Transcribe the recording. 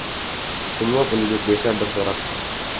Semua penduduk desa bersorak.